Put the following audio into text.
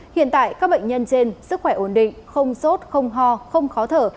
hiện tại các bệnh nhân trên sức khỏe ổn định không sốt không ho không khó thở